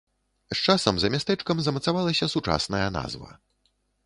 З часам за мястэчкам замацавалася сучасная назва.